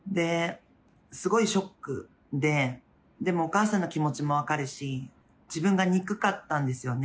すごいショックで、でもお母さんの気持ちも分かるし、自分が憎かったんですよね。